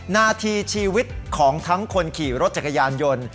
นาทีชีวิตของทั้งคนขี่รถจักรยานยนต์